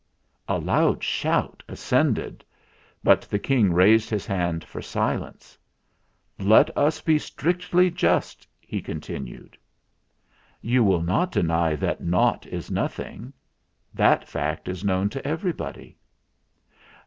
A loud shout ascended; but the King raised his hand for silence. "Let us be strictly just," he continued. 256 THE FLINT HEART "You will not deny that nought is nothing? That fact is known to everybody."